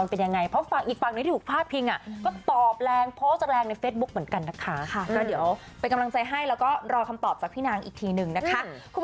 มาไลฟ์สุดแล้วแบบไม่แอบประมาณกันเนอะน่าอ่ะ